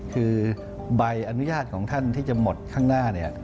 คือใบอนุญาตของท่านที่จะหมดข้างหน้าเนี่ย